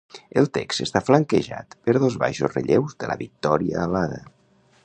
El text està flanquejat per dos baixos relleus de la Victòria alada.